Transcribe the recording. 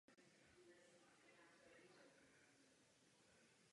Území je ve správě Krajského úřadu Plzeňského kraje.